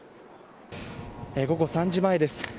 午後３時前です。